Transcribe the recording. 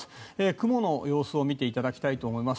雲の様子を見ていただきたいと思います。